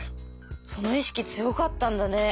その意識強かったんだね。